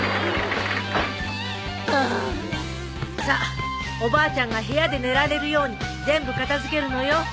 さあおばあちゃんが部屋で寝られるように全部片付けるのよ。